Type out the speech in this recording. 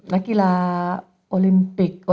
นักกีฬาโอลิมปิก